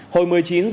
tiêm bão khẩn cấp